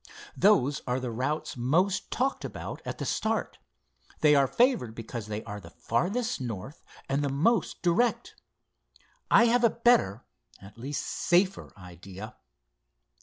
Those are the routes most talked about at the start. They are favored because they are the farthest north and the most direct. I have a better, a least safer, idea."